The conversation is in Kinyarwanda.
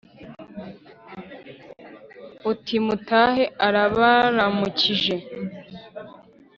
Uti mutahe arabaramukije